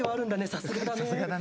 さすがだね。